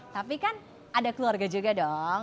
tapi kan ada keluarga juga dong